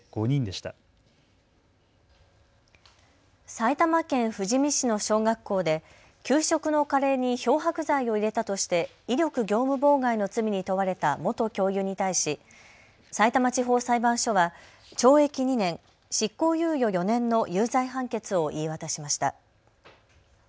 埼玉県富士見市の小学校で給食のカレーに漂白剤を入れたとして威力業務妨害の罪に問われた元教諭に対しさいたま地方裁判所は懲役２年、執行猶予４年の有罪判決を言い渡しました。